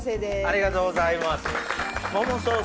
ありがとうございます。